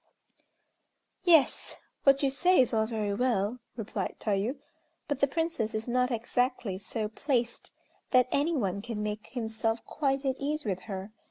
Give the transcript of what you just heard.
"Yes! what you say is all very well," replied Tayû, "but the Princess is not exactly so placed that any one can make himself quite at ease with her.